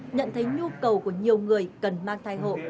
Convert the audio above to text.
nhận thấy nhu cầu của nhiều người cần mang thai hộ